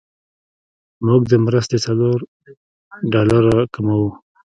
موږ د مرستې څلور ډالره کموو.